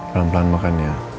pelan pelan makan ya